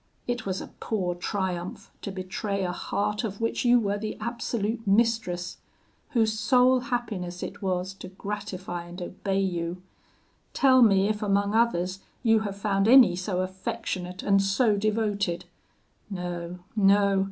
It was a poor triumph to betray a heart of which you were the absolute mistress whose sole happiness it was to gratify and obey you. Tell me if among others you have found any so affectionate and so devoted? No, no!